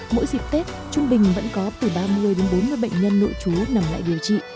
mỗi dịp tết trung bình vẫn có từ ba mươi đến bốn mươi bệnh nhân nội chú nằm lại điều trị